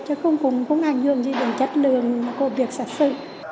chứ không có ảnh hưởng gì đến chất lượng của việc xét xử